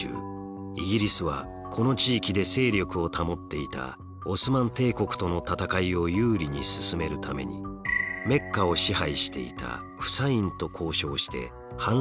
イギリスはこの地域で勢力を保っていたオスマン帝国との戦いを有利に進めるためにメッカを支配していたフサインと交渉して反乱を起こさせます。